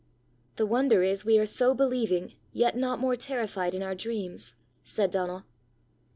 "The wonder is we are so believing, yet not more terrified, in our dreams," said Donal.